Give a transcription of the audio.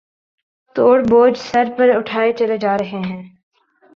توڑ بوجھ سر پر اٹھائے چلے جا رہے ہیں